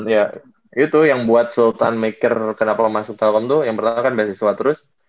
iya itu tuh yang buat sultan mikir kenapa masuk telkom tuh yang pertama kan biasiswa terus